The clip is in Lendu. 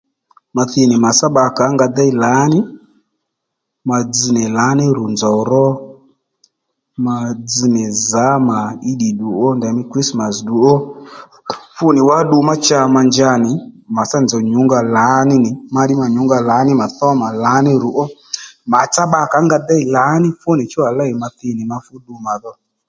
Ma thi nì màtsá bba kà ó nga déy lǎní ma dzz nì lǎní ru nzòw ró ma dzz nì zǎ mà Idi ddù ó ndèymí Krismas ddù ó fú nì wá ddu má cha ma nja nì màtsá nzòw nyǔ nga lǎní nì ma ddí ma nyǔ nga lǎní mà thó mà lǎní ru ó mà tsá bba kà ónga déy lǎní fú nì chú à lêy ma thi nì ma fú ddu mà dho